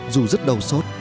dù rất đau sót